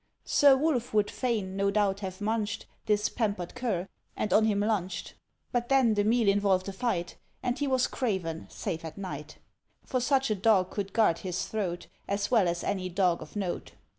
Sir Wolf would fain, no doubt, have munched This pampered cur, and on him lunched; But then the meal involved a fight, And he was craven, save at night; For such a dog could guard his throat As well as any dog of note.